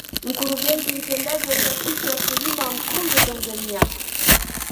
Mkurugenzi Mtendaji wa taasisi ya wakulima wa mkonge Tanganyika